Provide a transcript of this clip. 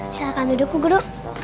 silahkan duduk guru